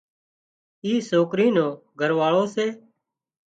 اي سوڪرِي نو گھر واۯو سي